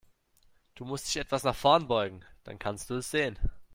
Du musst dich etwas nach vorn beugen, dann kannst du es sehen.